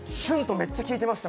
めっちゃ聴いてました。